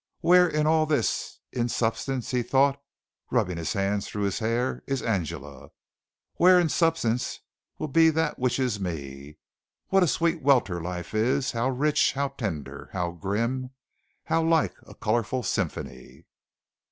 "Where in all this in substance," he thought, rubbing his hand through his hair, "is Angela? Where in substance will be that which is me? What a sweet welter life is how rich, how tender, how grim, how like a colorful symphony."